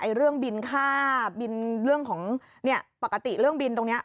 เรื่องบินค่าบินเรื่องของเนี่ยปกติเรื่องบินตรงนี้